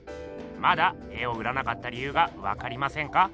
まだ絵を売らなかった理ゆうがわかりませんか？